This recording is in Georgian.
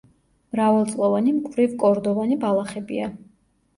მრავალწლოვანი მკვრივკორდოვანი ბალახებია.